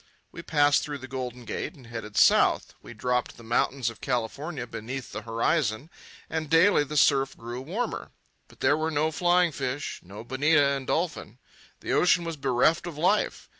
We passed through the Golden Gate and headed south. We dropped the mountains of California beneath the horizon, and daily the surf grew warmer. But there were no flying fish, no bonita and dolphin. The ocean was bereft of life.